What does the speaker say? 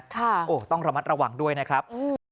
ค่ะต้องระมัดระหว่างด้วยนะครับ